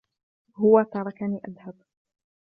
هو تركني أذهب.